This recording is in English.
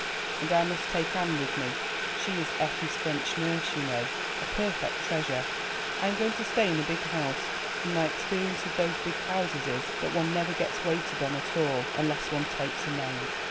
And I must take Anne with me; she is Effie's French nurse, you know, a perfect treasure. I am going to stay in a big house, and my experience of those big houses is, that one never gets waited on at all unless one takes a maid.